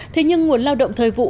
thế nhưng nguồn lao động thời vụ